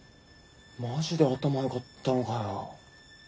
マジで頭よかったのかよ。